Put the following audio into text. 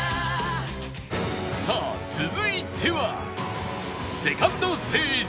さあ続いては ２ｎｄ ステージ